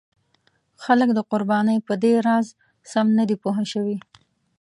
خلک د قربانۍ په دې راز سم نه دي پوه شوي.